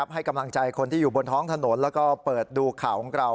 ให้กำลังใจคนที่อยู่บนท้องถนนแล้วก็เปิดดูข่าวของเรา